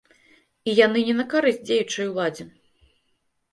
І яны не на карысць дзеючай уладзе.